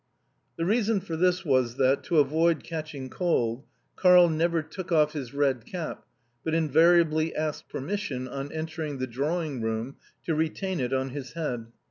The reason for this was that, to avoid catching cold, Karl never took off his red cap, but invariably asked permission, on entering the drawing room, to retain it on his head.